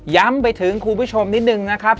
ย้ำไปถึงคุณผู้ชมนิดนึงนะครับ